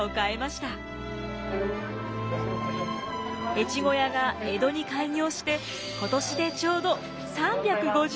越後屋が江戸に開業して今年でちょうど３５０年。